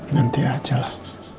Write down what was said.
nanti aja lah